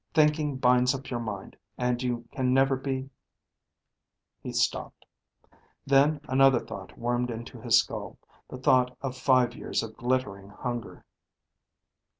Thinking binds up your mind, and you can never be He stopped. Then another thought wormed into his skull, the thought of five years of glittering hunger.